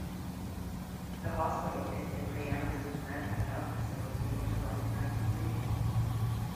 The hospital is the preeminent mental health facility in the Rocky Mountain region.